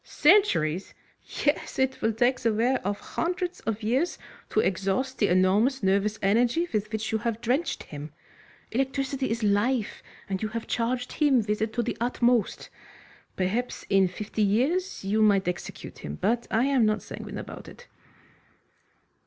"Centuries!" "Yes, it will take the wear of hundreds of years to exhaust the enormous nervous energy with which you have drenched him. Electricity is life, and you have charged him with it to the utmost. Perhaps in fifty years you might execute him, but I am not sanguine about it."